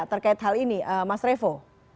terkait hal ini mas revo